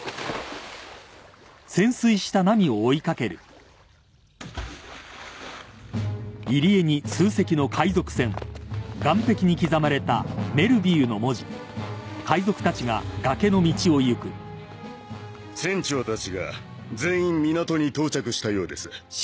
クゥ船長たちが全員港に到着したようです